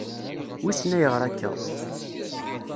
Wissen ayɣeṛ akka.